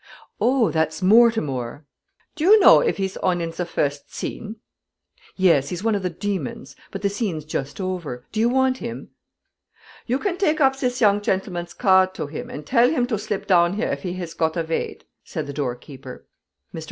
"Oh, that's Mortimore." "To you know if he's on in ze virsd zene?" "Yes. He's one of the demons; but the scene's just over. Do you want him?" "You gan dake ub zis young chendleman's gard do him, and dell him to slib town here if he has kod a vaid," said the door keeper. Mr.